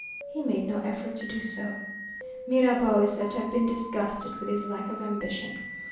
He made no effort to do so. Mirabeau is said to have been disgusted with his lack of ambition.